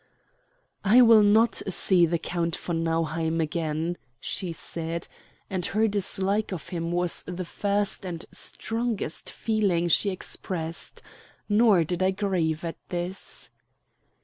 "I will not see the Count von Nauheim again," she said, and her dislike of him was the first and strongest feeling she expressed. Nor did I grieve at this.